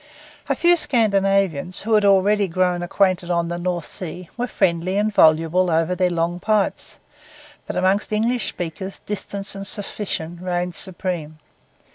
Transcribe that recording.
A few Scandinavians, who had already grown acquainted on the North Sea, were friendly and voluble over their long pipes; but among English speakers distance and suspicion reigned supreme.